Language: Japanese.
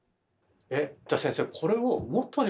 えっじゃあ先生